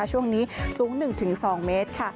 ช่วงนี้สูง๑๒เมตรค่ะ